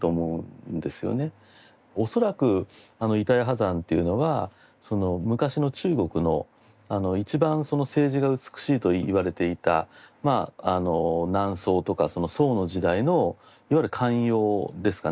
恐らく板谷波山っていうのは昔の中国の一番その青磁が美しいといわれていた南宋とかその宋の時代のいわゆる官窯ですかね